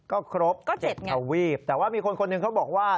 ก็ครบ๗ทวีปแต่ว่ามีคนคนหนึ่งเขาบอกว่า